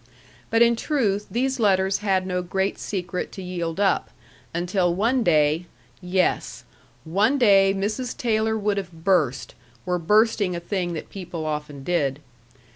But in truth these letters had no great secret to yield up, until one day yes; one day Mrs. Taylor would have burst, were bursting a thing that people often did.